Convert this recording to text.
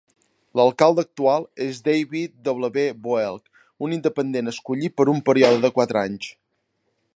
L'alcalde actual és David W. Boelk, un independent escollit per un període de quatre anys.